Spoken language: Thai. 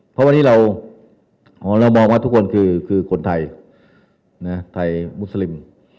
เพราะวันนี้เรามองว่าทุกคนคือคนไทยไทยมุสลิม